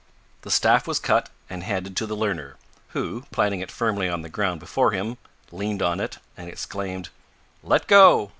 The staff was cut and handed to the learner, who, planting it firmly on the ground before him, leaned on it, and exclaimed, "Let go!"